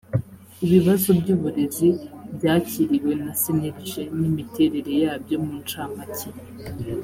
ibibazo by uburezi byakiriwe na cnlg n imiterere yabyo mu ncamake